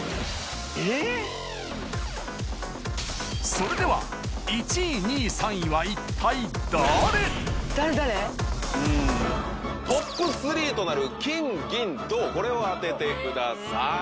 それでは１位２位３位はトップ３となる金銀銅これを当ててください。